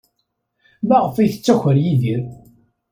Maɣef ay yettaker Yidir?